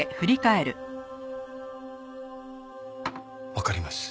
わかります。